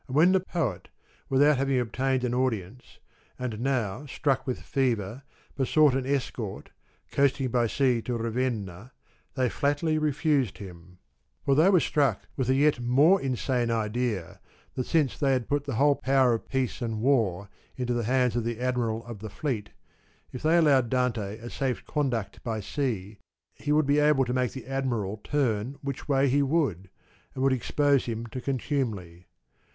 And when the poet, without having obtained an audience, and now struck with fever, besought an escort, coasting by sea to Ravenna, they flatly refused him ; for they were struck with the yet more Insane idea that since they had put the whole power of peace and war into the hands of the Admiral of the fleet, If they allowed Dante a safe conduct by sea he would be able to make the Admiral turn which way he would, and would ex pose him to contumely.